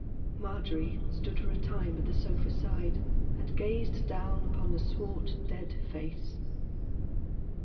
Margery stood for a time at the sofa side and gazed down upon the swart, dead face.